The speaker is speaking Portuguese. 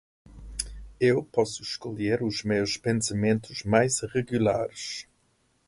Eu posso escolher os meus pensamentos mais regulares.